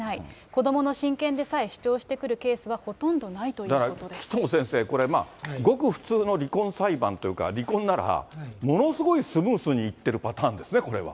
子どもの親権でさえ主張してくるケースはほとんどないということだから紀藤先生、これ、ごく普通の離婚裁判というか、離婚なら、ものすごいスムースにいってるパターンですね、これは。